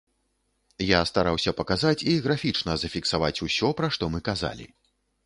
Я стараўся паказаць і графічна зафіксаваць усё, пра што мы казалі.